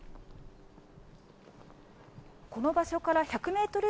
この場所から１００メートル